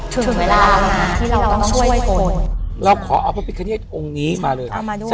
ถึงเวลาแล้วนะที่เราต้องช่วยคนเราขอเอาเพราะปริศนิยะองค์นี้มาเลยค่ะเอามาด้วยค่ะ